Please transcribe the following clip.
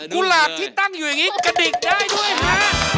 ุหลาบที่ตั้งอยู่อย่างนี้กระดิกได้ด้วยฮะ